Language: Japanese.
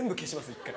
１回。